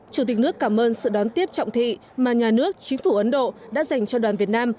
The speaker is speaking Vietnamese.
chủ tịch nước cảm ơn sự đón tiếp trọng thị mà nhà nước chính phủ ấn độ đã dành cho đoàn việt nam